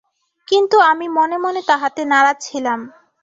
কিন্তু আমি মনে মনে তাহাতে নারাজ ছিলাম।